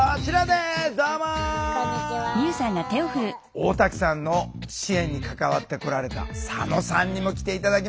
大滝さんの支援に関わってこられた佐野さんにも来て頂きました。